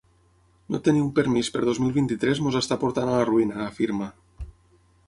No tenir un permís per dos mil vint-i-tres ens està portant a la ruïna, afirma.